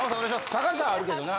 高さあるけどな。